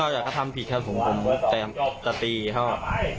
อยากกระทำผิดครับผมผมจะตีเขา